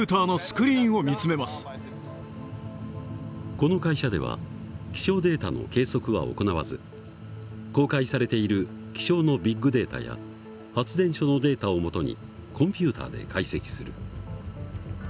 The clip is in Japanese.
この会社では気象データの計測は行わず公開されている気象のビッグデータや発電所のデータを基にコンピューターで解析する。